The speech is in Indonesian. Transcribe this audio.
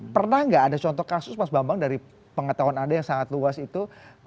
pernah nggak ada contoh kasus mas bambang dari pengetahuan anda yang sangat luas itu